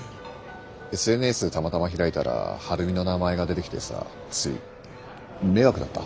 ＳＮＳたまたま開いたら晴美の名前が出てきてさつい迷惑だった？